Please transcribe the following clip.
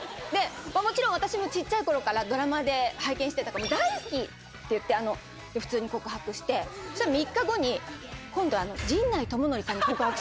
もちろん、私もちっちゃいころからドラマで拝見してたから、大好きって言って、普通に告白して、そしたら３日後に、今度、３日後？